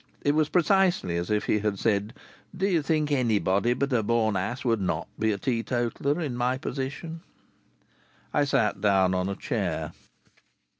It was precisely as if he had said: "Do you think that anybody but a born ass would not be a teetotaller, in my position?" I sat down on a chair.